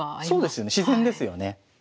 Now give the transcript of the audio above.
そうですよね自然ですよね。